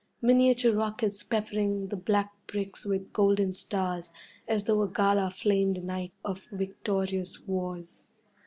Miniature rockets peppering the black bricks with golden stars, as though a gala flamed a night of victorious wars.